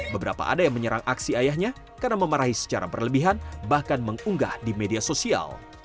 beberapa ada yang menyerang aksi ayahnya karena memarahi secara berlebihan bahkan mengunggah di media sosial